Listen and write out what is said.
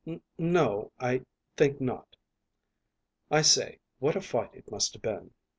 "N no, I think not. I say, what a fight it must have been!"